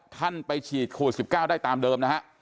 ท่านไปฉีดโควิด๑๙ได้ตามเดิมนะฮะ